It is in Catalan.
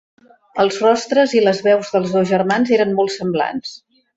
Els rostres i les veus dels dos germans eren molt semblants.